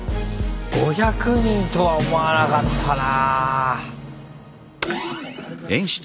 ５００人とは思わなかったな！